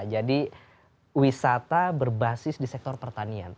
jadi wisata berbasis di sektor pertanian